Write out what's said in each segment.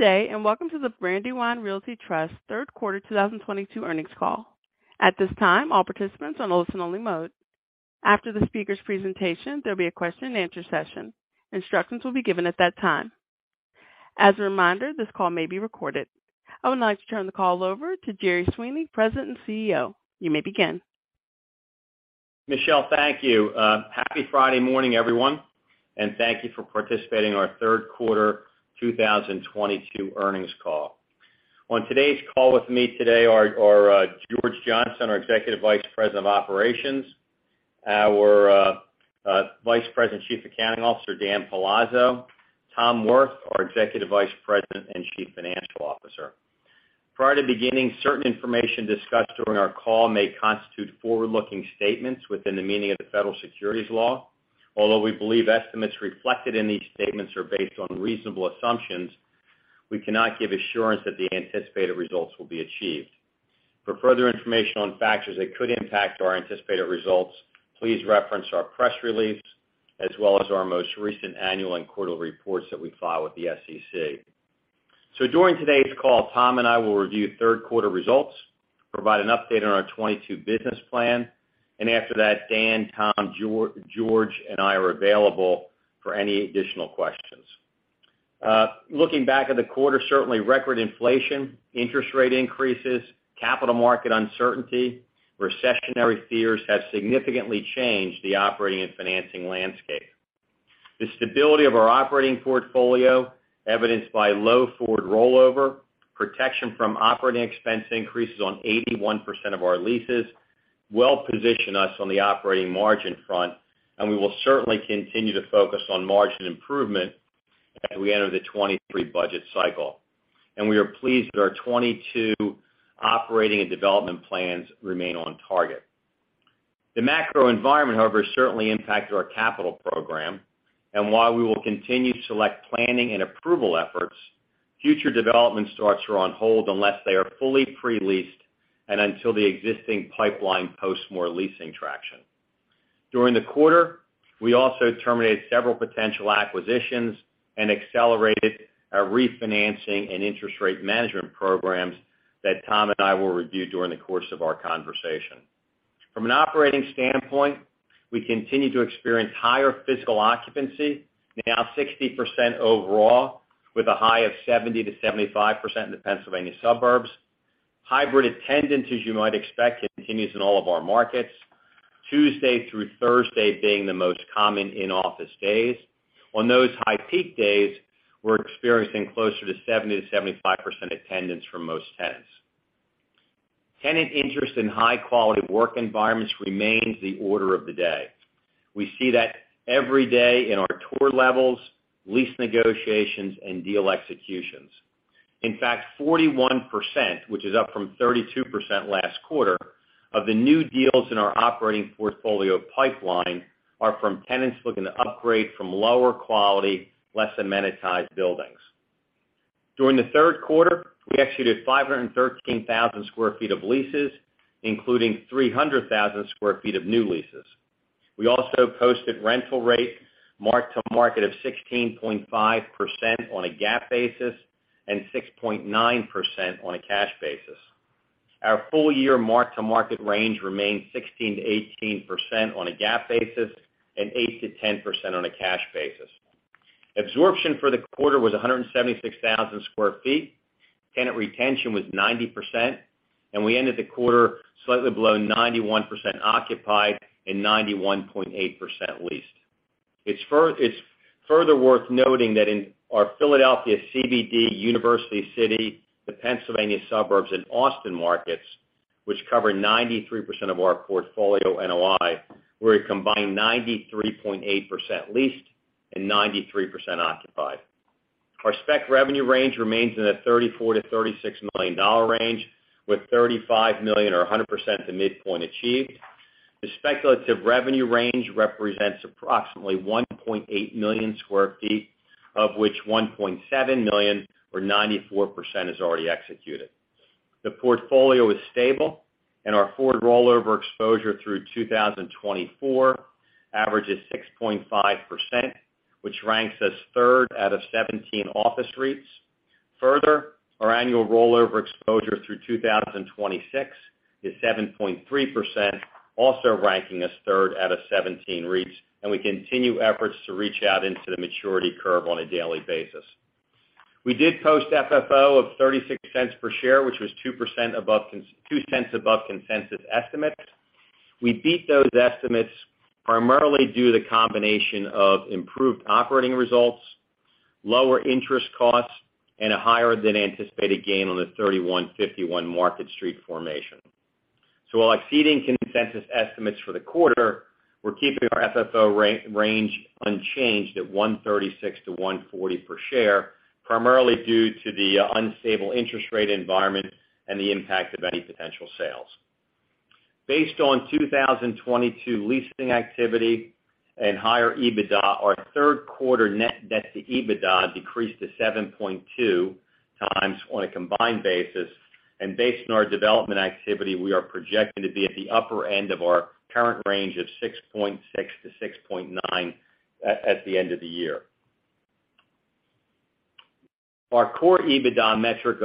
Good day, and welcome to the Brandywine Realty Trust third quarter 2022 earnings call. At this time, all participants are on listen only mode. After the speaker's presentation, there'll be a question and answer session. Instructions will be given at that time. As a reminder, this call may be recorded. I would now like to turn the call over to Jerry Sweeney, President and CEO. You may begin. Michelle, thank you. Happy Friday morning, everyone, and thank you for participating in our third quarter 2022 earnings call. On today's call with me today are George Johnstone, our Executive Vice President of Operations, our Vice President, Chief Accounting Officer, Dan Palazzo, Tom Wirth, our Executive Vice President and Chief Financial Officer. Prior to beginning, certain information discussed during our call may constitute forward-looking statements within the meaning of the federal securities law. Although we believe estimates reflected in these statements are based on reasonable assumptions, we cannot give assurance that the anticipated results will be achieved. For further information on factors that could impact our anticipated results, please reference our press release as well as our most recent annual and quarterly reports that we file with the SEC. During today's call, Tom and I will review third quarter results, provide an update on our 2022 business plan, and after that, Dan, Tom, George and I are available for any additional questions. Looking back at the quarter, certainly record inflation, interest rate increases, capital market uncertainty, recessionary fears have significantly changed the operating and financing landscape. The stability of our operating portfolio evidenced by low forward rollover, protection from operating expense increases on 81% of our leases well position us on the operating margin front, and we will certainly continue to focus on margin improvement as we enter the 2023 budget cycle. We are pleased that our 2022 operating and development plans remain on target. The macro environment, however, certainly impacted our capital program, and while we will continue to select planning and approval efforts, future development starts are on hold unless they are fully pre-leased and until the existing pipeline posts more leasing traction. During the quarter, we also terminated several potential acquisitions and accelerated our refinancing and interest rate management programs that Tom and I will review during the course of our conversation. From an operating standpoint, we continue to experience higher physical occupancy, now 60% overall, with a high of 70%-75% in the Pennsylvania suburbs. Hybrid attendance, as you might expect, continues in all of our markets. Tuesday through Thursday being the most common in-office days. On those high peak days, we're experiencing closer to 70%-75% attendance from most tenants. Tenant interest in high quality work environments remains the order of the day. We see that every day in our tour levels, lease negotiations, and deal executions. In fact, 41%, which is up from 32% last quarter, of the new deals in our operating portfolio pipeline are from tenants looking to upgrade from lower quality, less amenitized buildings. During the third quarter, we executed 513,000 sq ft of leases, including 300,000 sq ft of new leases. We also posted rental rates mark-to-market of 16.5% on a GAAP basis and 6.9% on a cash basis. Our full year mark-to-market range remains 16%-18% on a GAAP basis and 8%-10% on a cash basis. Absorption for the quarter was 176,000 sq ft. Tenant retention was 90%, and we ended the quarter slightly below 91% occupied and 91.8% leased. It's further worth noting that in our Philadelphia CBD, University City, the Pennsylvania suburbs and Austin markets, which cover 93% of our portfolio NOI, were a combined 93.8% leased and 93% occupied. Our spec revenue range remains in the $34 million-$36 million range with $35 million or 100% to midpoint achieved. The speculative revenue range represents approximately 1.8 million sq ft, of which 1.7 million or 94% is already executed. The portfolio is stable and our forward rollover exposure through 2024 averages 6.5%, which ranks us third out of 17 office REITs. Further, our annual rollover exposure through 2026 is 7.3%, also ranking us third out of 17 REITs, and we continue efforts to reach out into the maturity curve on a daily basis. We did post FFO of $0.36 per share which was $0.02 above consensus estimates. We beat those estimates primarily due to the combination of improved operating results, lower interest costs, and a higher than anticipated gain on the 3151 Market Street disposition. While exceeding consensus estimates for the quarter, we're keeping our FFO range unchanged at $1.36-$1.40 per share, primarily due to the unstable interest rate environment and the impact of any potential sales. Based on 2022 leasing activity and higher EBITDA, our third quarter net debt to EBITDA decreased to 7.2x on a combined basis. Based on our development activity, we are projecting to be at the upper end of our current range of 6.6x-6.9x at the end of the year. Our core EBITDA metric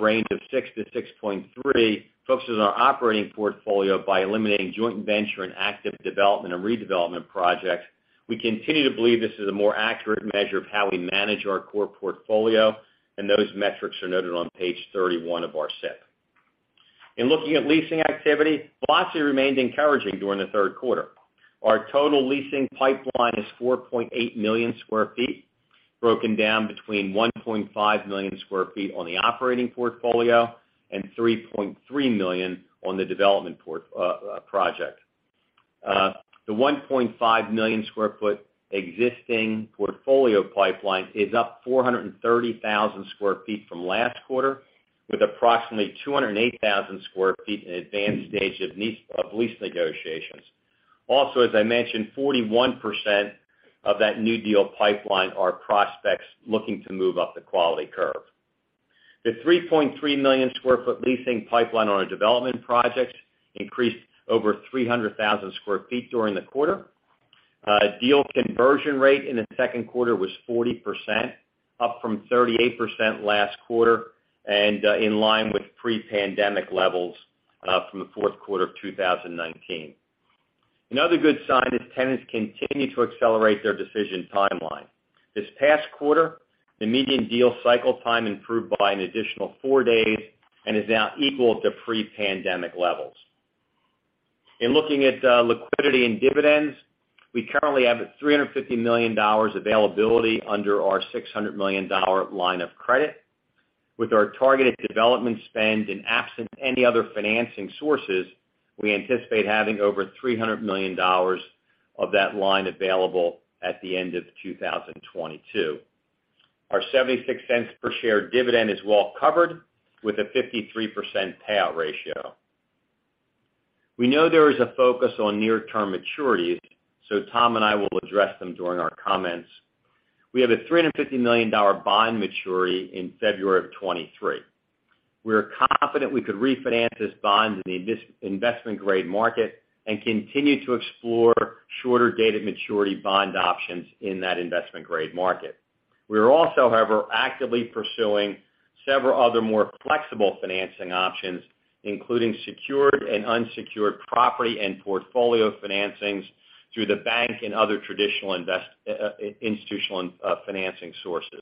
range of 6x-6.3x focuses on operating portfolio by eliminating joint venture and active development and redevelopment projects. We continue to believe this is a more accurate measure of how we manage our core portfolio, and those metrics are noted on page 31 of our set. In looking at leasing activity, velocity remained encouraging during the third quarter. Our total leasing pipeline is 4.8 million sq ft, broken down between 1.5 million sq ft on the operating portfolio and 3.3 million on the development project. The 1.5 million sq ft existing portfolio pipeline is up 430,000 sq ft from last quarter, with approximately 208,000 sq ft in advanced stage of lease negotiations. Also, as I mentioned, 41% of that new deal pipeline are prospects looking to move up the quality curve. The 3.3 million sq ft leasing pipeline on our development projects increased over 300,000 sq ft during the quarter. Deal conversion rate in the second quarter was 40%, up from 38% last quarter, and in line with pre-pandemic levels from the fourth quarter of 2019. Another good sign is tenants continue to accelerate their decision timeline. This past quarter, the median deal cycle time improved by an additional four days and is now equal to pre-pandemic levels. In looking at liquidity and dividends, we currently have $350 million availability under our $600 million line of credit. With our targeted development spend and absent any other financing sources, we anticipate having over $300 million of that line available at the end of 2022. Our $0.76 per share dividend is well covered with a 53% payout ratio. We know there is a focus on near-term maturities, so Tom and I will address them during our comments. We have a $350 million bond maturity in February 2023. We are confident we could refinance this bond in the investment grade market and continue to explore shorter dated maturity bond options in that investment grade market. We are also, however, actively pursuing several other more flexible financing options, including secured and unsecured property and portfolio financings through the bank and other traditional institutional and financing sources.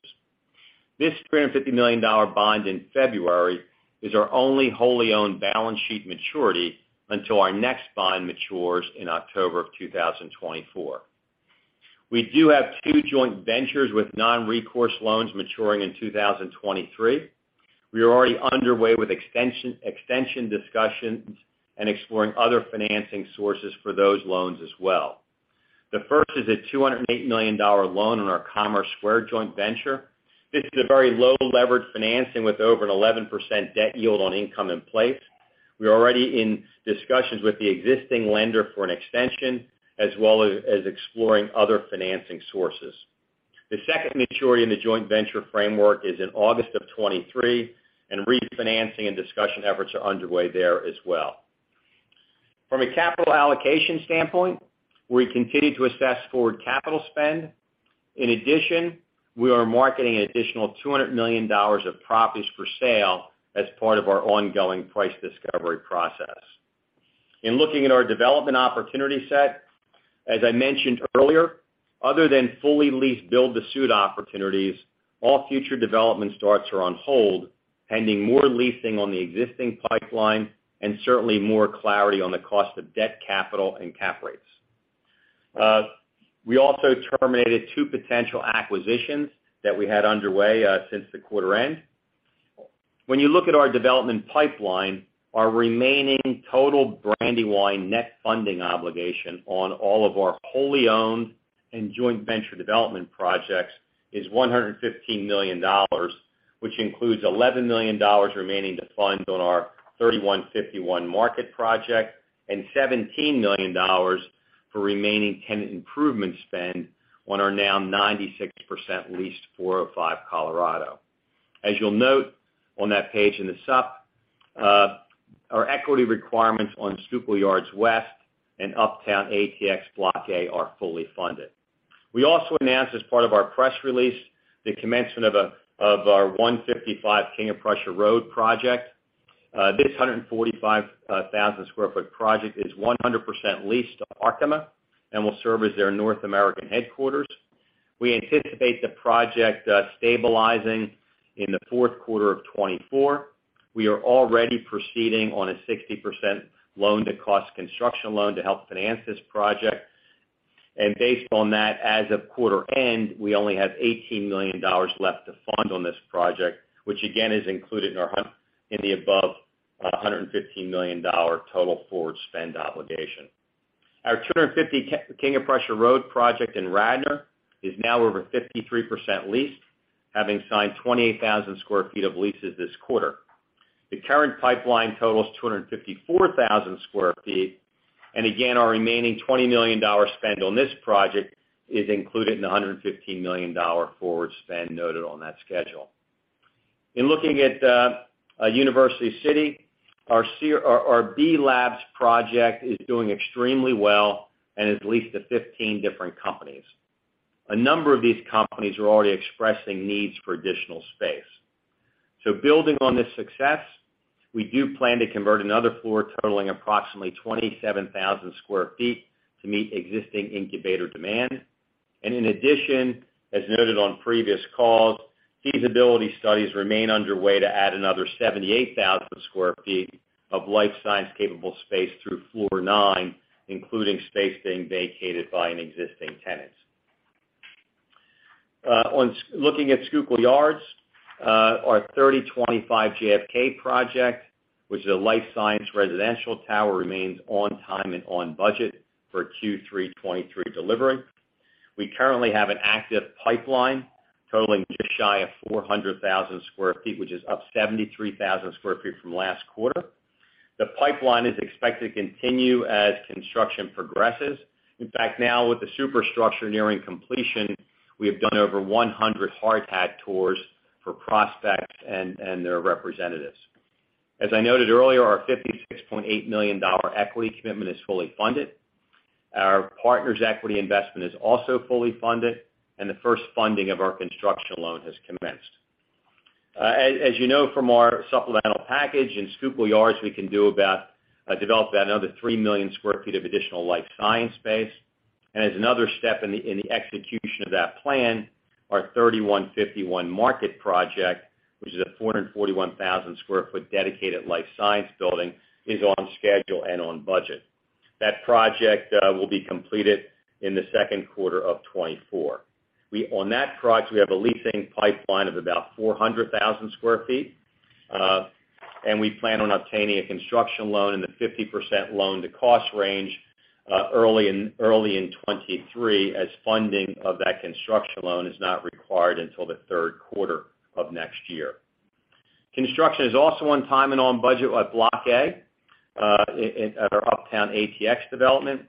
This $350 million bond in February is our only wholly owned balance sheet maturity until our next bond matures in October 2024. We do have two joint ventures with non-recourse loans maturing in 2023. We are already underway with extension discussions and exploring other financing sources for those loans as well. The first is a $208 million loan on our Commerce Square joint venture. This is a very low levered financing with over an 11% debt yield on income in place. We're already in discussions with the existing lender for an extension, as well as exploring other financing sources. The second maturity in the joint venture framework is in August of 2023, and refinancing and discussion efforts are underway there as well. From a capital allocation standpoint, we continue to assess forward capital spend. In addition, we are marketing an additional $200 million of properties for sale as part of our ongoing price discovery process. In looking at our development opportunity set, as I mentioned earlier, other than fully leased build-to-suit opportunities, all future development starts are on hold, pending more leasing on the existing pipeline and certainly more clarity on the cost of debt capital and cap rates. We also terminated two potential acquisitions that we had underway, since the quarter end. When you look at our development pipeline, our remaining total Brandywine net funding obligation on all of our wholly owned and joint venture development projects is $115 million, which includes $11 million remaining to fund on our 3151 Market project and $17 million for remaining tenant improvement spend on our now 96% leased 405 Colorado. As you'll note on that page in the supp, our equity requirements on Schuylkill Yards West and Uptown ATX Block A are fully funded. We also announced, as part of our press release, the commencement of our 155 King of Prussia Road project. This 145,000 sq ft project is 100% leased to Arkema and will serve as their North American headquarters. We anticipate the project stabilizing in the fourth quarter of 2024. We are already proceeding on a 60% loan-to-cost construction loan to help finance this project. Based on that, as of quarter end, we only have $18 million left to fund on this project, which again is included in the above $115 million total forward spend obligation. Our 250 King of Prussia Road project in Radnor is now over 53% leased, having signed 28,000 sq ft of leases this quarter. The current pipeline totals 254,000 sq ft. Again, our remaining $20 million spend on this project is included in the $115 million forward spend noted on that schedule. In looking at University City, our B+labs project is doing extremely well and has leased to 15 different companies. A number of these companies are already expressing needs for additional space. Building on this success, we do plan to convert another floor totaling approximately 27,000 sq ft to meet existing incubator demand. In addition, as noted on previous calls, feasibility studies remain underway to add another 78,000 sq ft of life science capable space through floor nine, including space being vacated by an existing tenant. Looking at Schuylkill Yards, our 3025 JFK project, which is a life science residential tower, remains on time and on budget for Q3 2023 delivery. We currently have an active pipeline totaling just shy of 400,000 sq ft, which is up 73,000 sq ft from last quarter. The pipeline is expected to continue as construction progresses. In fact, now with the superstructure nearing completion, we have done over 100 hard hat tours for prospects and their representatives. As I noted earlier, our $56.8 million equity commitment is fully funded. Our partners' equity investment is also fully funded, and the first funding of our construction loan has commenced. As you know from our supplemental package, in Schuylkill Yards, we can develop about another 3 million sq ft of additional life science space. As another step in the execution of that plan, our 3151 Market project, which is a 441,000 sq ft dedicated life science building, is on schedule and on budget. That project will be completed in the second quarter of 2024. On that project, we have a leasing pipeline of about 400,000 sq ft. We plan on obtaining a construction loan in the 50% loan-to-cost range early in 2023 as funding of that construction loan is not required until the third quarter of next year. Construction is also on time and on budget at Block A at our uptown ATX development.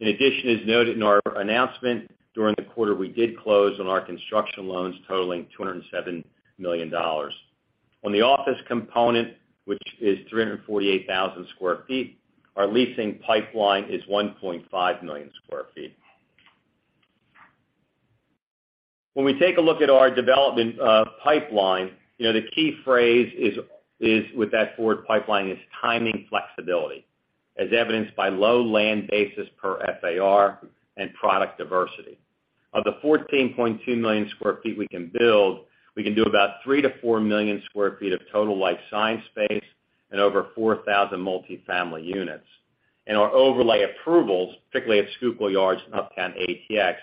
In addition, as noted in our announcement during the quarter, we did close on our construction loans totaling $207 million. On the office component, which is 348,000 sq ft, our leasing pipeline is 1.5 million sq ft. When we take a look at our development pipeline, you know, the key phrase is with that forward pipeline is timing flexibility, as evidenced by low land basis per FAR and product diversity. Of the 14.2 million sq ft we can build, we can do about 3million sq ft-4 million sq ft of total life science space and over 4,000 multi-family units. Our overlay approvals, particularly at Schuylkill Yards and Uptown ATX,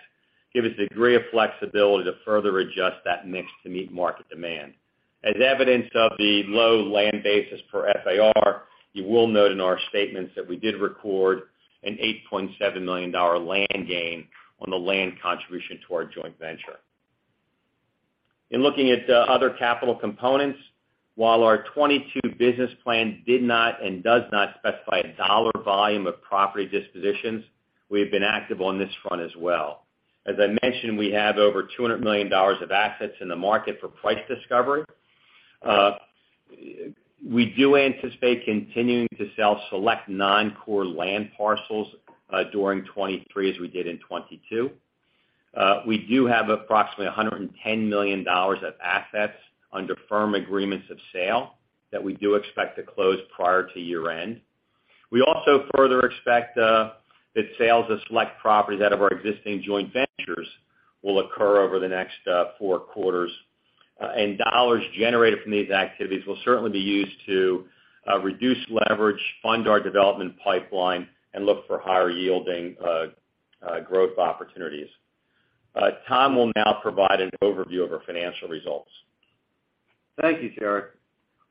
give us the degree of flexibility to further adjust that mix to meet market demand. As evidence of the low land basis per FAR, you will note in our statements that we did record a $8.7 million land gain on the land contribution to our joint venture. In looking at other capital components, while our 2022 business plan did not and does not specify a dollar volume of property dispositions, we have been active on this front as well. As I mentioned, we have over $200 million of assets in the market for price discovery. We do anticipate continuing to sell select non-core land parcels during 2023 as we did in 2022. We do have approximately $110 million of assets under firm agreements of sale that we do expect to close prior to year-end. We also further expect that sales of select properties out of our existing joint ventures will occur over the next four quarters. Dollars generated from these activities will certainly be used to reduce leverage, fund our development pipeline, and look for higher yielding growth opportunities. Tom will now provide an overview of our financial results. Thank you, Jerry.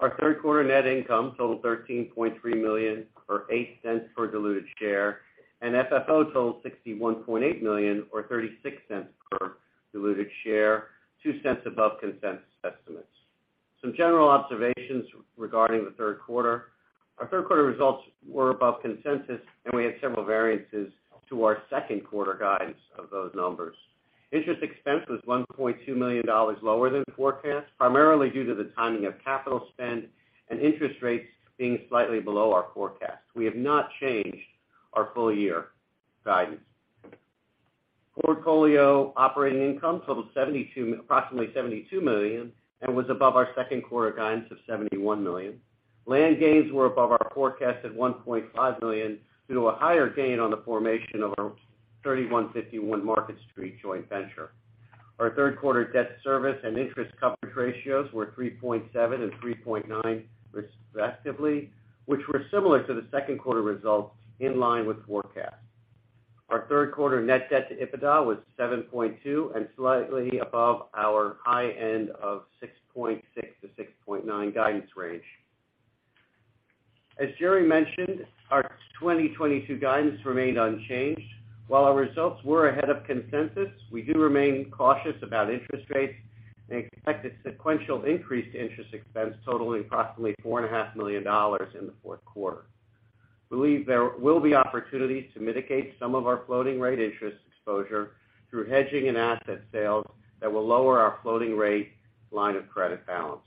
Our third quarter net income totaled $13.3 million, or $0.08 per diluted share, and FFO totaled $61.8 million or $0.36 per diluted share, $0.02 above consensus estimates. Some general observations regarding the third quarter. Our third quarter results were above consensus, and we had several variances to our second quarter guidance of those numbers. Interest expense was $1.2 million lower than forecast, primarily due to the timing of capital spend and interest rates being slightly below our forecast. We have not changed our full year guidance. Portfolio operating income totaled approximately $72 million and was above our second quarter guidance of $71 million. Land gains were above our forecast at $1.5 million due to a higher gain on the formation of our 3151 Market Street joint venture. Our third quarter debt service and interest coverage ratios were 3.7 and 3.9 respectively, which were similar to the second quarter results in line with forecast. Our third quarter net debt to EBITDA was 7.2 and slightly above our high end of 6.6-6.9 guidance range. As Jerry mentioned, our 2022 guidance remained unchanged. While our results were ahead of consensus, we do remain cautious about interest rates. Expect a sequential increase to interest expense totaling approximately $4.5 million in the fourth quarter. Believe there will be opportunities to mitigate some of our floating rate interest exposure through hedging and asset sales that will lower our floating rate line of credit balance.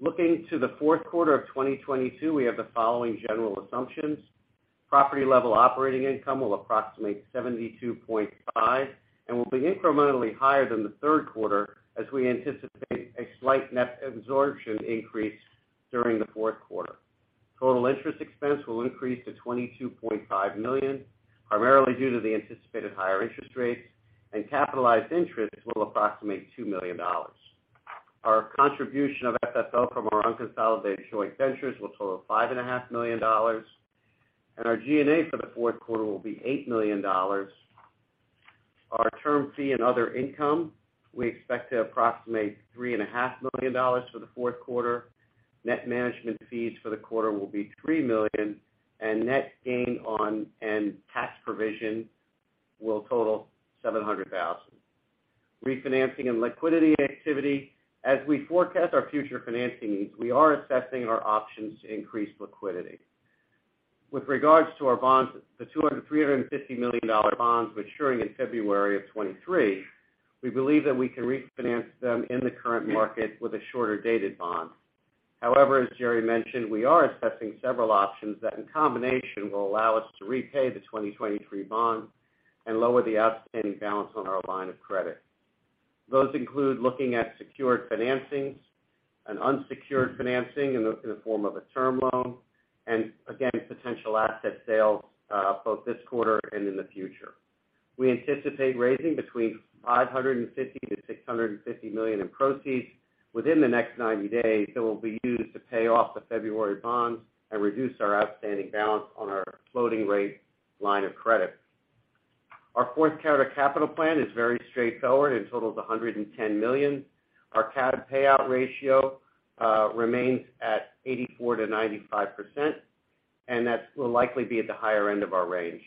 Looking to the fourth quarter of 2022, we have the following general assumptions. Property level operating income will approximate $72.5 million, and will be incrementally higher than the third quarter as we anticipate a slight net absorption increase during the fourth quarter. Total interest expense will increase to $22.5 million, primarily due to the anticipated higher interest rates, and capitalized interest will approximate $2 million. Our contribution of FFO from our unconsolidated joint ventures will total $5.5 million, and our G&A for the fourth quarter will be $8 million. Our term fee and other income we expect to approximate $3.5 million for the fourth quarter. Net management fees for the quarter will be $3 million, and net gain on and tax provision will total $700 thousand. Refinancing and liquidity activity. As we forecast our future financing needs, we are assessing our options to increase liquidity. With regard to our bonds, the $250 million bonds maturing in February 2023, we believe that we can refinance them in the current market with a shorter dated bond. However, as Jerry mentioned, we are assessing several options that in combination will allow us to repay the 2023 bond and lower the outstanding balance on our line of credit. Those include looking at secured financings and unsecured financing in the form of a term loan, and again, potential asset sales both this quarter and in the future. We anticipate raising between $550 million-$650 million in proceeds within the next 90 days that will be used to pay off the February bonds and reduce our outstanding balance on our floating rate line of credit. Our fourth quarter capital plan is very straightforward and totals $110 million. Our CAD payout ratio remains at 84%-95%, and that will likely be at the higher end of our range.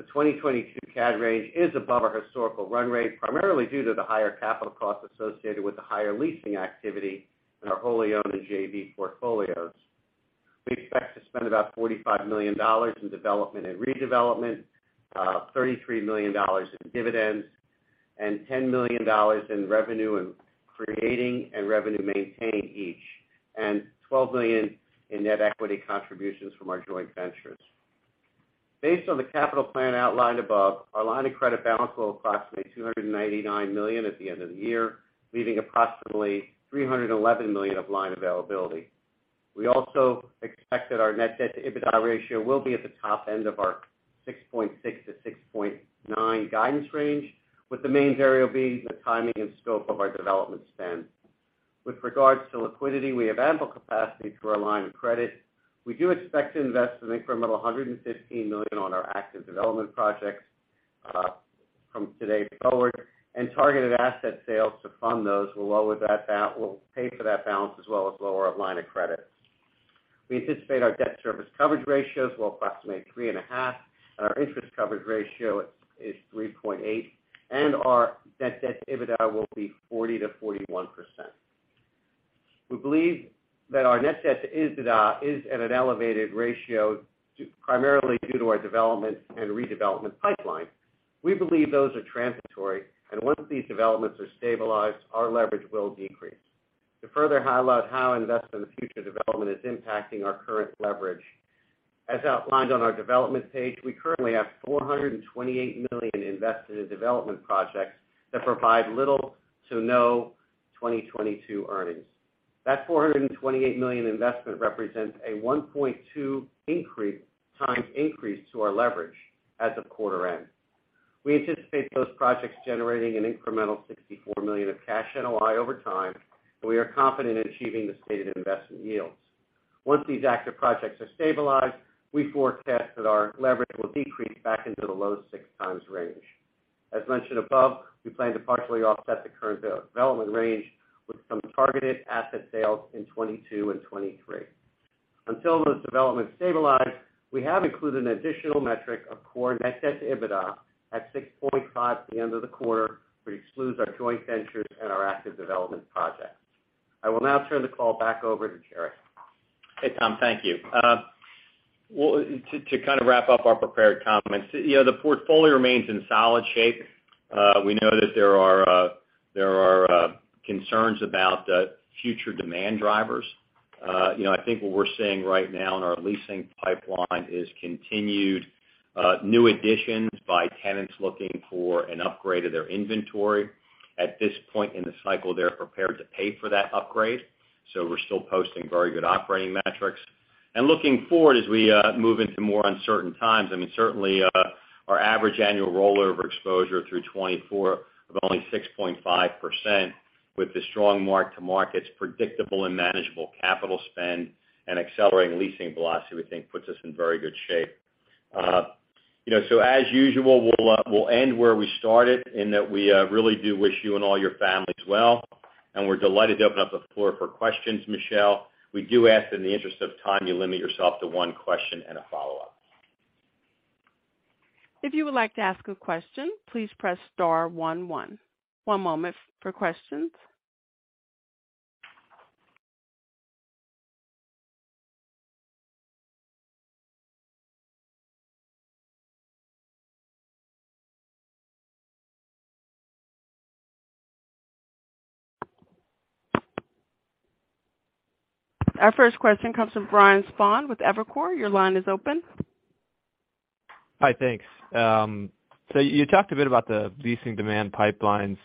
The 2022 CAD range is above our historical run rate, primarily due to the higher capital costs associated with the higher leasing activity in our wholly owned and JV portfolios. We expect to spend about $45 million in development and redevelopment, $33 million in dividends, and $10 million in tenant improvements and revenue maintenance each, and $12 million in net equity contributions from our joint ventures. Based on the capital plan outlined above, our line of credit balance will approximate $299 million at the end of the year, leaving approximately $311 million of line availability. We also expect that our net debt to EBITDA ratio will be at the top end of our 6.6-6.9 guidance range, with the main variable being the timing and scope of our development spend. With regards to liquidity, we have ample capacity through our line of credit. We do expect to invest an incremental $115 million on our active development projects from today forward, and targeted asset sales to fund those will pay for that balance, as well as lower our line of credit. We anticipate our debt service coverage ratios will approximate 3.5, and our interest coverage ratio is 3.8, and our net debt to EBITDA will be 40%-41%. We believe that our net debt to EBITDA is at an elevated ratio primarily due to our development and redevelopment pipeline. We believe those are transitory, and once these developments are stabilized, our leverage will decrease. To further highlight how investment for the future development is impacting our current leverage, as outlined on our development page, we currently have $428 million invested in development projects that provide little to no 2022 earnings. That $428 million investment represents a 1.2x increase to our leverage as of quarter-end. We anticipate those projects generating an incremental $64 million of cash NOI over time, and we are confident in achieving the stated investment yields. Once these active projects are stabilized, we forecast that our leverage will decrease back into the low six times range. As mentioned above, we plan to partially offset the current de-development range with some targeted asset sales in 2022 and 2023. Until those developments stabilize, we have included an additional metric of core net debt to EBITDA at 6.5 at the end of the quarter, which excludes our joint ventures and our active development projects. I will now turn the call back over to Jerry. Hey, Tom. Thank you. Well, to kind of wrap up our prepared comments, you know, the portfolio remains in solid shape. We know that there are concerns about the future demand drivers. You know, I think what we're seeing right now in our leasing pipeline is continued new additions by tenants looking for an upgrade of their inventory. At this point in the cycle, they're prepared to pay for that upgrade, so we're still posting very good operating metrics. Looking forward as we move into more uncertain times, I mean, certainly, our average annual rollover exposure through 2024 of only 6.5% with the strong mark-to-markets, predictable and manageable capital spend, and accelerating leasing velocity, we think puts us in very good shape. You know, as usual, we'll end where we started in that we really do wish you and all your families well, and we're delighted to open up the floor for questions, Michelle. We do ask in the interest of time, you limit yourself to one question and a follow-up. If you would like to ask a question, please press star one. One moment for questions. Our first question comes from Brian Spahn with Evercore. Your line is open. Hi. Thanks. You talked a bit about the leasing demand pipelines,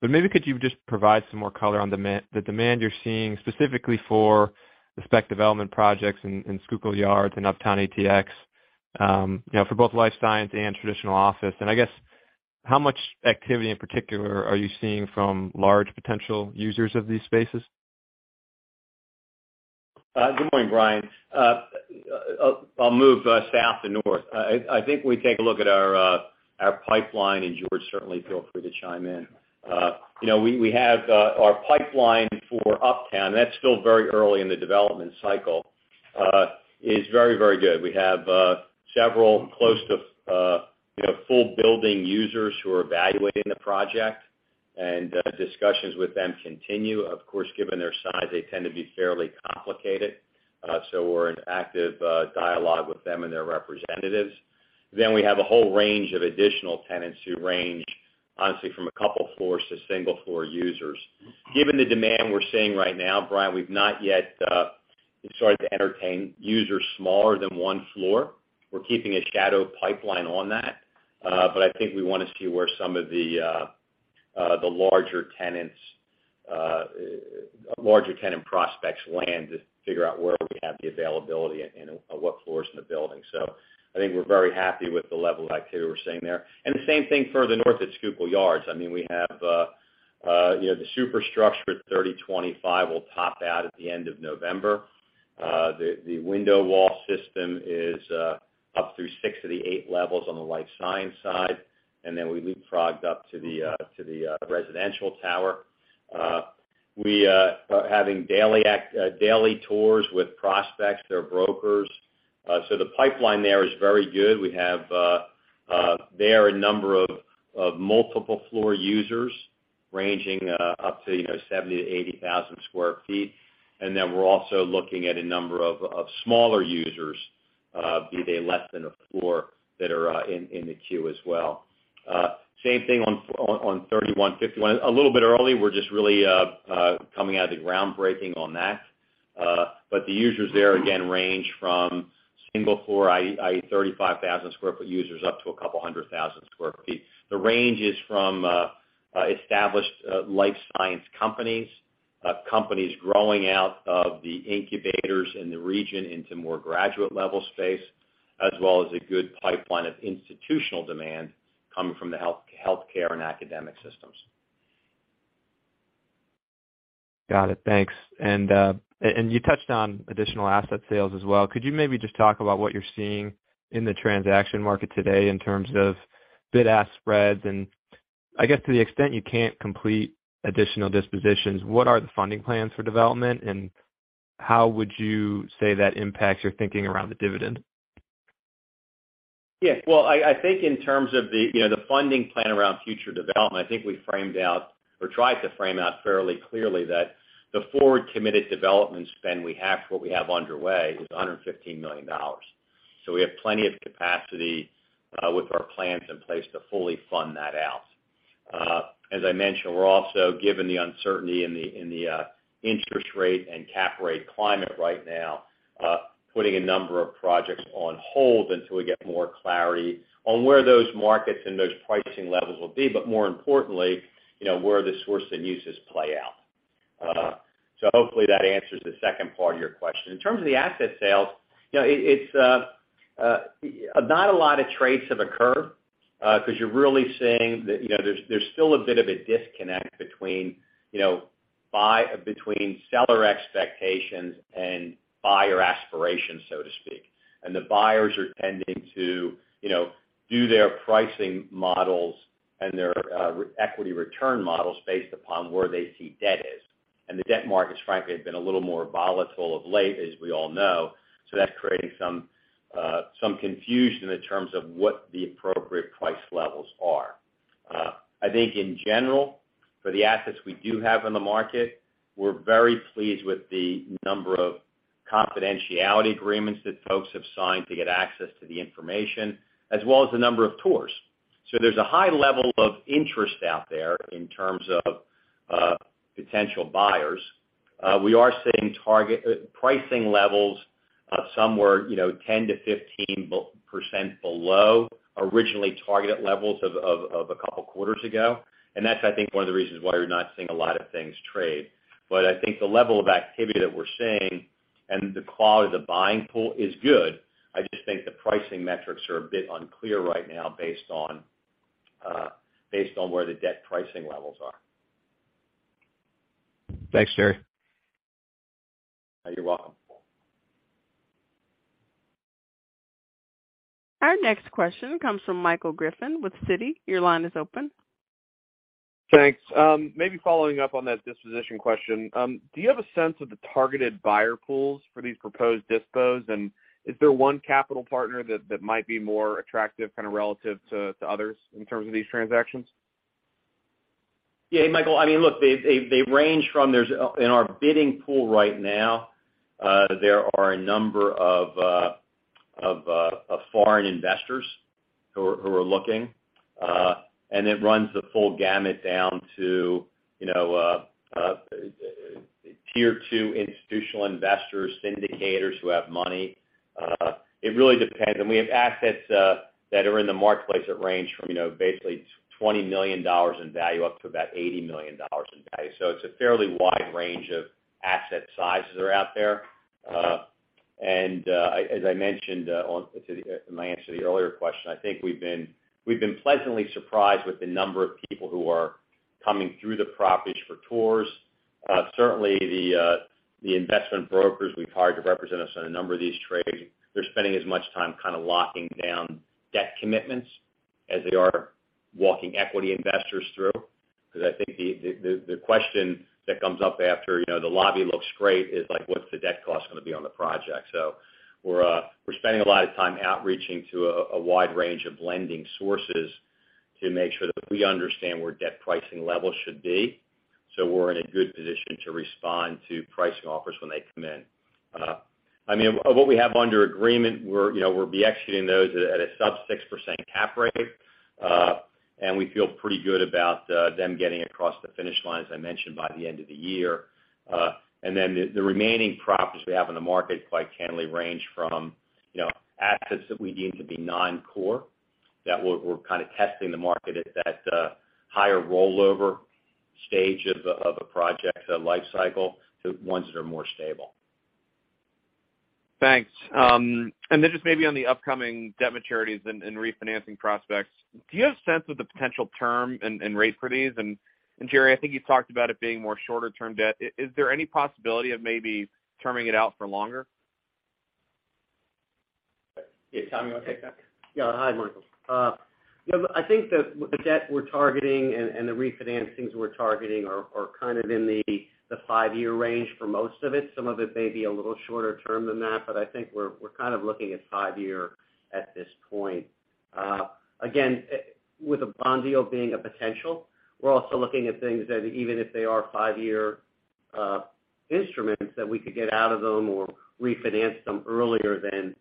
but maybe could you just provide some more color on the demand you're seeing specifically for the spec development projects in Schuylkill Yards and Uptown ATX, you know, for both life science and traditional office? I guess how much activity in particular are you seeing from large potential users of these spaces? Good morning, Brian. I'll move south to north. I think when we take a look at our pipeline, and George, certainly feel free to chime in. You know, we have our pipeline for Uptown, that's still very early in the development cycle, is very, very good. We have several close to, you know, full building users who are evaluating the project, and discussions with them continue. Of course, given their size, they tend to be fairly complicated. We're in active dialogue with them and their representatives. We have a whole range of additional tenants who range, honestly, from a couple floors to single floor users. Given the demand we're seeing right now, Brian, we've not yet started to entertain users smaller than one floor. We're keeping a shadow pipeline on that, but I think we wanna see where some of the larger tenant prospects land to figure out where we have the availability and what floors in the building. So I think we're very happy with the level of activity we're seeing there. The same thing further north at Schuylkill Yards. I mean, we have, you know, the superstructure at 3025 will top out at the end of November. The window wall system is up through six of the eight levels on the life science side, and then we leapfrogged up to the residential tower. We are having daily tours with prospects, their brokers. So the pipeline there is very good. We have a number of multiple floor users ranging up to, you know, 70,000 sq ft-80,000 sq ft. Then we're also looking at a number of smaller users, be they less than a floor, that are in the queue as well. Same thing on 3151. A little bit early, we're just really coming out of the groundbreaking on that. The users there again range from single floor i.e., 35,000 sq ft users up to a couple hundred thousand sqaure feet. The range is from established life science companies growing out of the incubators in the region into more graduate level space, as well as a good pipeline of institutional demand coming from the healthcare and academic systems. Got it. Thanks. You touched on additional asset sales as well. Could you maybe just talk about what you're seeing in the transaction market today in terms of bid-ask spreads? I guess to the extent you can't complete additional dispositions, what are the funding plans for development, and how would you say that impacts your thinking around the dividend? Yeah. Well, I think in terms of the, you know, the funding plan around future development, I think we framed out or tried to frame out fairly clearly that the forward committed development spend we have for what we have underway is $115 million. We have plenty of capacity with our plans in place to fully fund that out. As I mentioned, we're also, given the uncertainty in the interest rate and cap rate climate right now, putting a number of projects on hold until we get more clarity on where those markets and those pricing levels will be, but more importantly, you know, where the sources and uses play out. Hopefully that answers the second part of your question. In terms of the asset sales, you know, it's not a lot of trades have occurred, because you're really seeing that, you know, there's still a bit of a disconnect between, you know, between seller expectations and buyer aspirations, so to speak. The buyers are tending to, you know, do their pricing models and their equity return models based upon where they see debt is. The debt markets frankly have been a little more volatile of late, as we all know. That's creating some confusion in terms of what the appropriate price levels are. I think in general, for the assets we do have in the market, we're very pleased with the number of confidentiality agreements that folks have signed to get access to the information, as well as the number of tours. There's a high level of interest out there in terms of potential buyers. We are seeing target pricing levels of somewhere, you know, 10%-15% below originally targeted levels of a couple quarters ago. That's I think one of the reasons why you're not seeing a lot of things trade. I think the level of activity that we're seeing and the quality of the buying pool is good. I just think the pricing metrics are a bit unclear right now based on where the debt pricing levels are. Thanks, Jerry. You're welcome. Our next question comes from Michael Griffin with Citi. Your line is open. Thanks. Maybe following up on that disposition question. Do you have a sense of the targeted buyer pools for these proposed dispositions, and is there one capital partner that might be more attractive kind of relative to others in terms of these transactions? Yeah, Michael. I mean, look, they range from, in our bidding pool right now, there are a number of foreign investors who are looking, and it runs the full gamut down to, you know, tier two institutional investors, syndicators who have money. It really depends. We have assets that are in the marketplace that range from, you know, basically $20 million in value up to about $80 million in value. It's a fairly wide range of asset sizes are out there. As I mentioned in my answer to the earlier question, I think we've been pleasantly surprised with the number of people who are coming through the properties for tours. Certainly the investment brokers we've hired to represent us on a number of these trades, they're spending as much time kind of locking down debt commitments as they are walking equity investors through. Because I think the question that comes up after, you know, the lobby looks great, is like, what's the debt cost gonna be on the project? We're spending a lot of time outreaching to a wide range of lending sources to make sure that we understand where debt pricing levels should be, so we're in a good position to respond to pricing offers when they come in. I mean, of what we have under agreement, we're, you know, we'll be executing those at a sub-6% cap rate, and we feel pretty good about them getting across the finish line, as I mentioned, by the end of the year. Then the remaining properties we have in the market, quite candidly range from, you know, assets that we deem to be non-core, that we're kind of testing the market at that higher rollover stage of a project lifecycle to ones that are more stable. Thanks. Just maybe on the upcoming debt maturities and refinancing prospects, do you have sense of the potential term and rate for these? Jerry, I think you talked about it being more shorter term debt. Is there any possibility of maybe terming it out for longer? Yeah. Tom, you wanna take that? Yeah. Hi, Michael. You know, I think that the debt we're targeting and the refinancings we're targeting are kind of in the five-year range for most of it. Some of it may be a little shorter term than that, but I think we're kind of looking at five-year at this point. Again, with the bond deal being a potential, we're also looking at things that even if they are five-year instruments, that we could get out of them or refinance them earlier than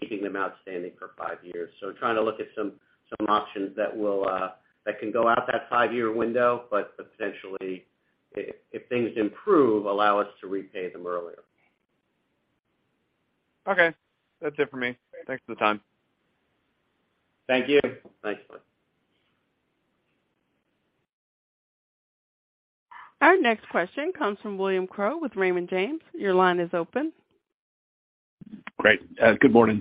keeping them outstanding for five years. Trying to look at some options that can go out that five-year window, but potentially, if things improve, allow us to repay them earlier. Okay. That's it for me. Thanks for the time. Thank you. Thanks. Our next question comes from William Crow with Raymond James. Your line is open. Great. Good morning.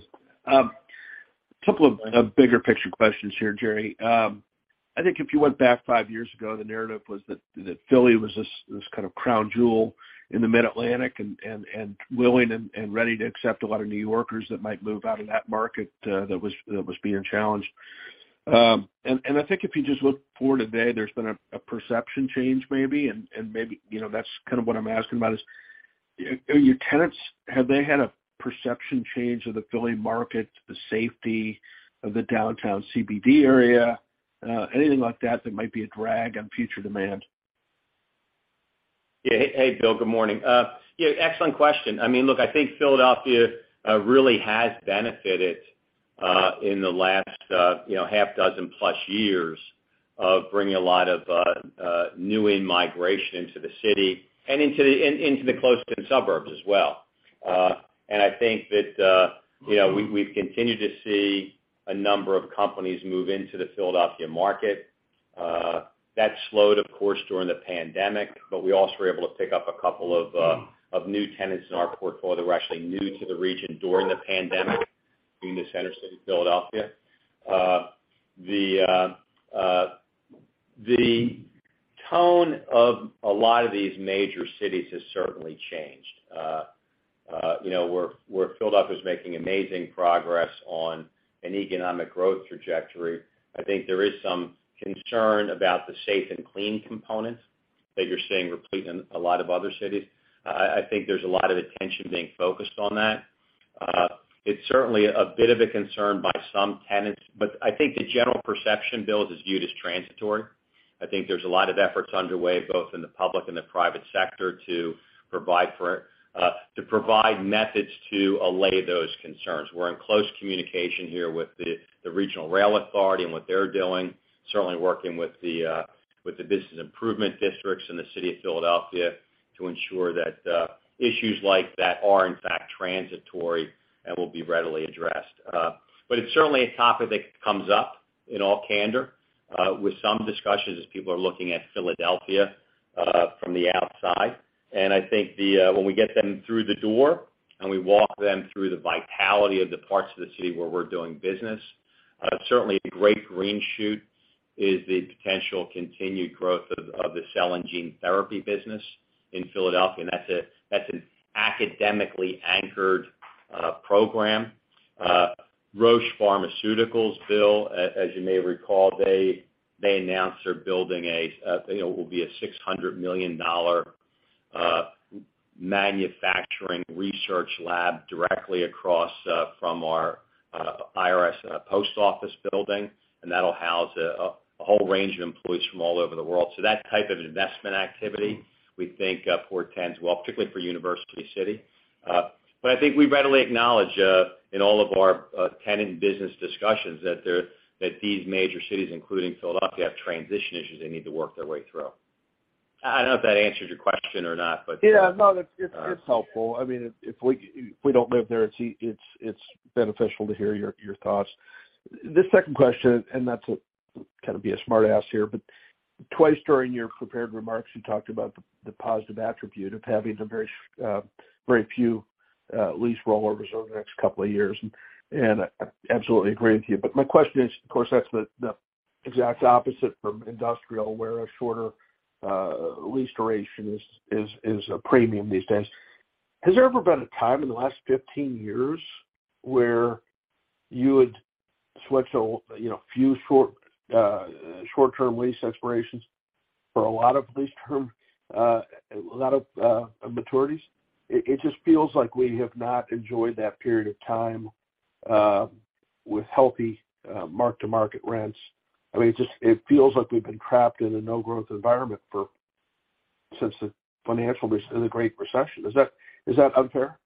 Couple of bigger picture questions here, Jerry. I think if you went back five years ago, the narrative was that Philly was this kind of crown jewel in the Mid-Atlantic and willing and ready to accept a lot of New Yorkers that might move out of that market, that was being challenged. I think if you just look forward today, there's been a perception change maybe. Maybe, you know, that's kind of what I'm asking about is your tenants, have they had a perception change of the Philly market, the safety of the downtown CBD area? Anything like that that might be a drag on future demand? Yeah. Hey, Bill. Good morning. Yeah, excellent question. I mean, look, I think Philadelphia really has benefited in the last, you know, 6+ years of bringing a lot of new in-migration into the city and into the close-knit suburbs as well. I think that, you know, we've continued to see a number of companies move into the Philadelphia market. That slowed, of course, during the pandemic, but we also were able to pick up a couple of new tenants in our portfolio that were actually new to the region during the pandemic in the center city of Philadelphia. The tone of a lot of these major cities has certainly changed. You know, where Philadelphia is making amazing progress on an economic growth trajectory. I think there is some concern about the safe and clean components that you're seeing replete in a lot of other cities. I think there's a lot of attention being focused on that. It's certainly a bit of a concern by some tenants, but I think the general perception, Bill, is viewed as transitory. I think there's a lot of efforts underway, both in the public and the private sector, to provide methods to allay those concerns. We're in close communication here with the regional rail authority and what they're doing, certainly working with the business improvement districts in the city of Philadelphia to ensure that issues like that are in fact transitory and will be readily addressed. It's certainly a topic that comes up in all candor with some discussions as people are looking at Philadelphia from the outside. I think when we get them through the door and we walk them through the vitality of the parts of the city where we're doing business, certainly a great green shoot is the potential continued growth of the cell and gene therapy business in Philadelphia. That's an academically anchored program. Roche Pharmaceuticals, Bill, as you may recall, they announced they're building, you know, what will be a $600 million manufacturing research lab directly across from our former IRS/Post Office building, and that'll house a whole range of employees from all over the world. That type of investment activity, we think, portends well, particularly for University City. I think we readily acknowledge, in all of our tenant business discussions that these major cities, including Philadelphia, have transition issues they need to work their way through. I don't know if that answers your question or not, but. Yeah, no, that's, it's helpful. I mean, if we don't live there, it's beneficial to hear your thoughts. The second question, not to kind of be a smart ass here, but twice during your prepared remarks, you talked about the positive attribute of having a very few lease rollovers over the next couple of years, and I absolutely agree with you. My question is, of course, that's the exact opposite from industrial, where a shorter lease duration is a premium these days. Has there ever been a time in the last 15 years where you would switch a you know few short-term lease expirations for a lot of lease term, a lot of maturities? It just feels like we have not enjoyed that period of time with healthy mark-to-market rents. I mean, it just feels like we've been trapped in a no-growth environment for since the Great Recession. Is that unfair?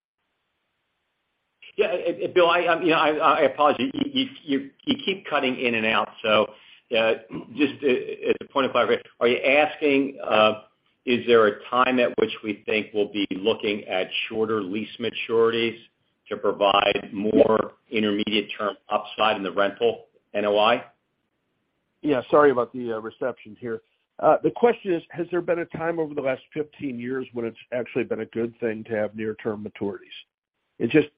Yeah. Bill, you know, I apologize. You keep cutting in and out. At this point, if I may, are you asking, is there a time at which we think we'll be looking at shorter lease maturities to provide more intermediate term upside in the rental NOI? Yeah. Sorry about the reception here. The question is, has there been a time over the last 15 years when it's actually been a good thing to have near-term maturities? It just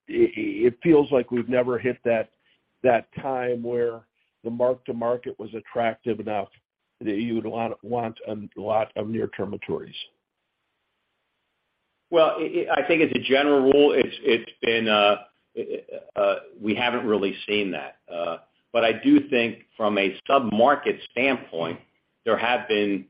feels like we've never hit that time where the mark-to-market was attractive enough that you would want a lot of near-term maturities. Well, I think as a general rule, it's been, we haven't really seen that. I do think from a sub-market standpoint, there have been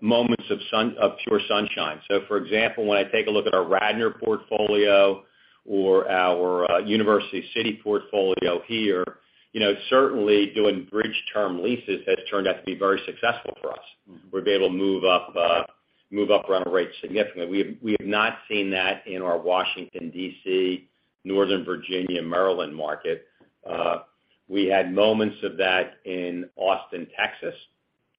moments of sun, of pure sunshine. For example, when I take a look at our Radnor portfolio or our University City portfolio here, you know, certainly doing bridge term leases has turned out to be very successful for us. Mm-hmm. We've been able to move up rent rates significantly. We have not seen that in our Washington, D.C., Northern Virginia, Maryland market. We had moments of that in Austin, Texas,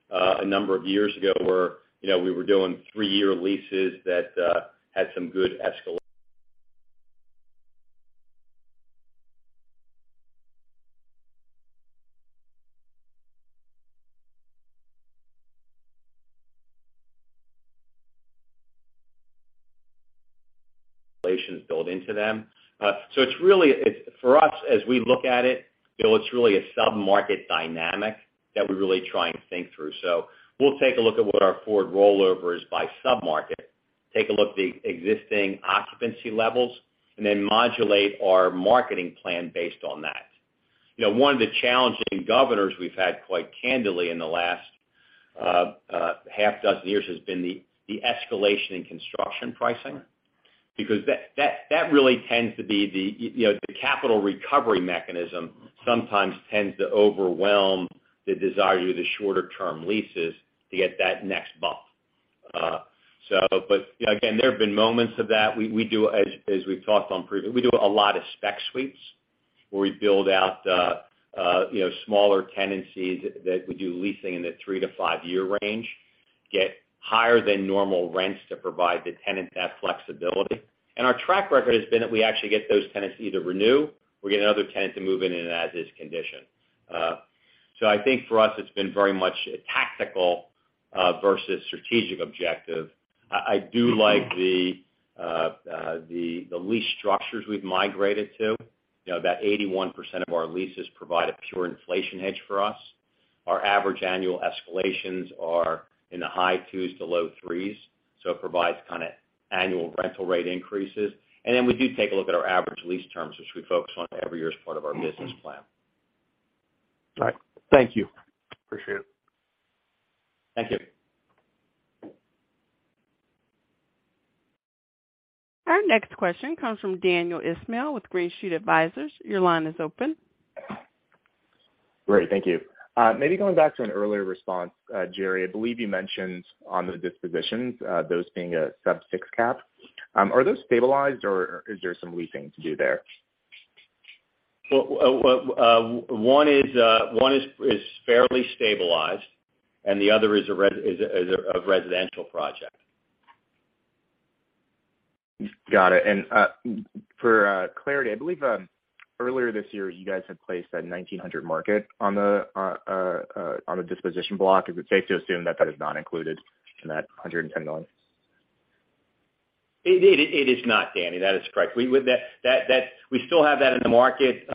a number of years ago, where, you know, we were doing three-year leases that had some good escalations built into them. It's really, for us, as we look at it, Bill, it's really a sub-market dynamic that we're really trying to think through. We'll take a look at what our forward rollover is by sub-market, take a look at the existing occupancy levels, and then modulate our marketing plan based on that. You know, one of the challenging governors we've had quite candidly in the last half dozen years has been the escalation in construction pricing. Because that really tends to be the, you know, the capital recovery mechanism sometimes tends to overwhelm the desire to do the shorter term leases to get that next bump. But, you know, again, there have been moments of that. We do, as we've talked on previous, we do a lot of spec suites, where we build out, you know, smaller tenancies that we do leasing in the three to five-year range, get higher than normal rents to provide the tenant that flexibility. Our track record has been that we actually get those tenants to either renew or get another tenant to move in an as-is condition. I think for us, it's been very much a tactical versus strategic objective. I do like the lease structures we've migrated to. You know, about 81% of our leases provide a pure inflation hedge for us. Our average annual escalations are in the high twos to low threes, so it provides kind of annual rental rate increases. We do take a look at our average lease terms, which we focus on every year as part of our business plan. All right. Thank you. Appreciate it. Thank you. Our next question comes from Daniel Ismail with Green Street Advisors. Your line is open. Great. Thank you. Maybe going back to an earlier response, Jerry, I believe you mentioned on the dispositions, those being a sub-6 cap. Are those stabilized, or is there some leasing to do there? One is fairly stabilized, and the other is a residential project. Got it. For clarity, I believe earlier this year, you guys had placed that 1900 Market on the disposition block. Is it safe to assume that is not included in that $110 million? It is not, Danny. That is correct. We still have that in the market.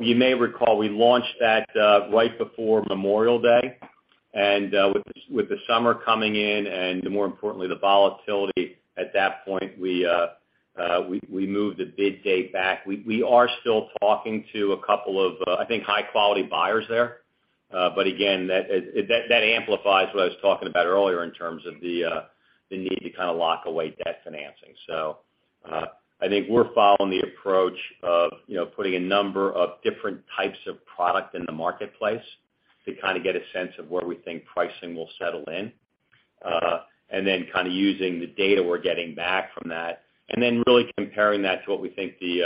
You may recall we launched that right before Memorial Day. With the summer coming in and more importantly, the volatility at that point, we moved the bid date back. We are still talking to a couple of, I think high quality buyers there. But again, that amplifies what I was talking about earlier in terms of the need to kind of lock away debt financing. So, I think we're following the approach of, you know, putting a number of different types of product in the marketplace to kind of get a sense of where we think pricing will settle in. Kind of using the data we're getting back from that, and then really comparing that to what we think the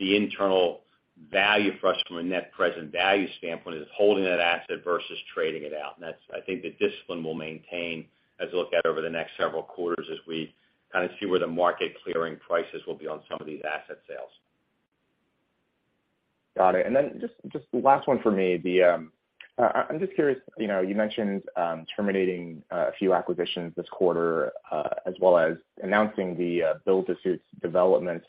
internal value for us from a net present value standpoint is holding that asset versus trading it out. That's, I think, the discipline we'll maintain as we look out over the next several quarters as we kind of see where the market clearing prices will be on some of these asset sales. Got it. Then just last one for me. I'm just curious, you know, you mentioned terminating a few acquisitions this quarter, as well as announcing the build-to-suit developments.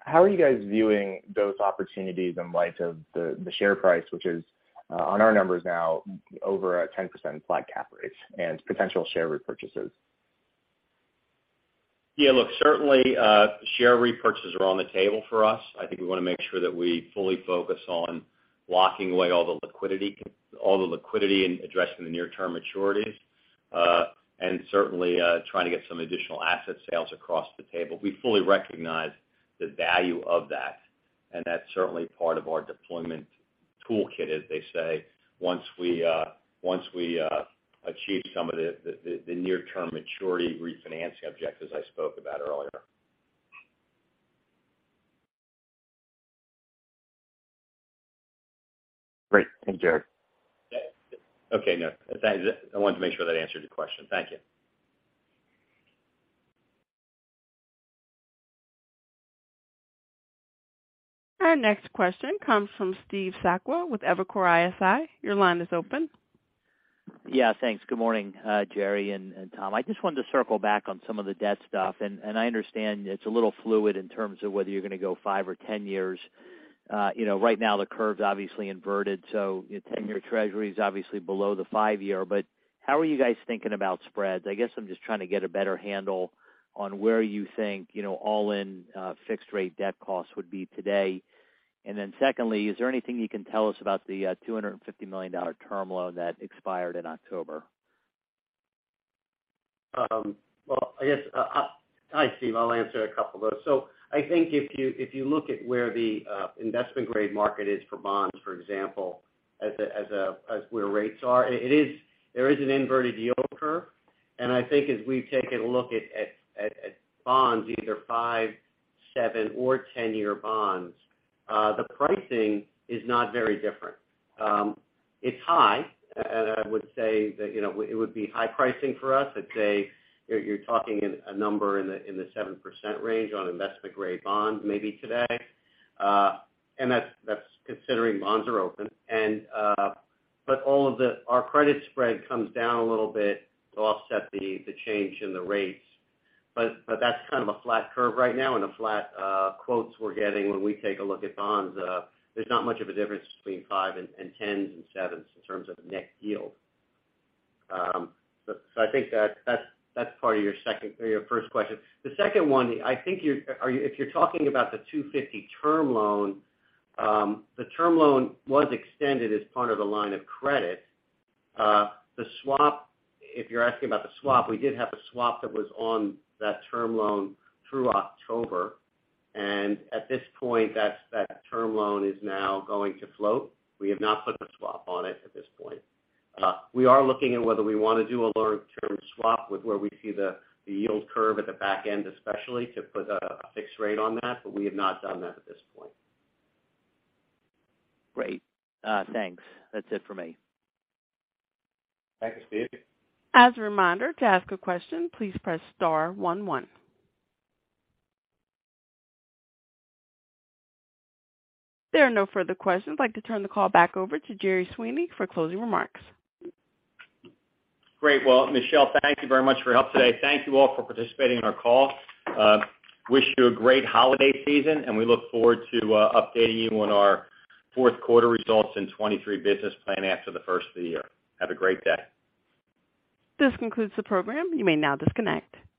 How are you guys viewing those opportunities in light of the share price, which is on our numbers now over 10% at cap rates and potential share repurchases? Yeah, look, certainly, share repurchases are on the table for us. I think we wanna make sure that we fully focus on locking away all the liquidity and addressing the near-term maturities. Certainly, trying to get some additional asset sales across the table. We fully recognize the value of that, and that's certainly part of our deployment toolkit, as they say, once we achieve some of the near-term maturity refinancing objectives I spoke about earlier. Great. Thank you, Jerry. Okay, no. Thanks. I wanted to make sure that answered your question. Thank you. Our next question comes from Steve Sakwa with Evercore ISI. Your line is open. Yeah, thanks. Good morning, Jerry and Tom. I just wanted to circle back on some of the debt stuff. I understand it's a little fluid in terms of whether you're gonna go five or 10 years. You know, right now, the curve's obviously inverted, so your 10-year treasury is obviously below the five-year. How are you guys thinking about spreads? I guess I'm just trying to get a better handle on where you think, you know, all in, fixed rate debt costs would be today. Secondly, is there anything you can tell us about the $250 million term loan that expired in October? Hi, Steve. I'll answer a couple of those. I think if you look at where the investment grade market is for bonds, for example, where rates are, there is an inverted yield curve. I think as we've taken a look at bonds, either five, seven or 10-year bonds, the pricing is not very different. It's high. I would say that, you know, it would be high pricing for us. I'd say you're talking in a number in the 7% range on investment grade bonds maybe today. That's considering bonds are open and, but all of our credit spread comes down a little bit to offset the change in the rates. That's kind of a flat curve right now and the flat quotes we're getting when we take a look at bonds, there's not much of a difference between five and 10s and 7s in terms of net yield. I think that's part of your second or your first question. The second one, I think if you're talking about the $250 term loan, the term loan was extended as part of a line of credit. The swap, if you're asking about the swap, we did have a swap that was on that term loan through October. At this point, that term loan is now going to float. We have not put the swap on it at this point. We are looking at whether we wanna do a long-term swap with where we see the yield curve at the back end, especially to put a fixed rate on that, but we have not done that at this point. Great. Thanks. That's it for me. Thanks, Steve. As a reminder, to ask a question, please press star one. There are no further questions. I'd like to turn the call back over to Jerry Sweeney for closing remarks. Great. Well, Michelle, thank you very much for your help today. Thank you all for participating in our call. Wish you a great holiday season, and we look forward to updating you on our fourth quarter results in 2023 business plan after the first of the year. Have a great day. This concludes the program. You may now disconnect.